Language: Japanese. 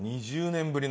２０年ぶり。